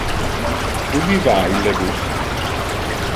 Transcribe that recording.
Ubi va ille bus?